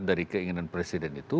dari keinginan presiden itu